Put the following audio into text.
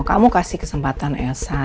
kamu kasih kesempatan elsa